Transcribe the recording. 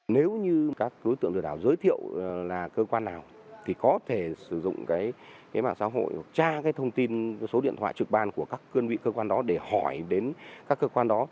nếu như các đối tượng lừa đảo giới thiệu là cơ quan nào thì có thể sử dụng cái mạng xã hội tra cái thông tin số điện thoại trực ban của các cơ quan đó để hỏi đến các cơ quan đó